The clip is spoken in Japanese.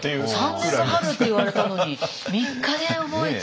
３年かかるって言われたのに３日で覚えちゃう。